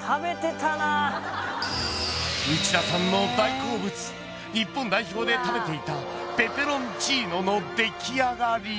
食べてたな内田さんの大好物日本代表で食べていたペペロンチーノのできあがり